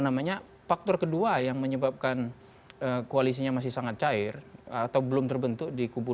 namanya faktor kedua yang menyebabkan koalisinya masih sangat cair atau belum terbentuk di kubu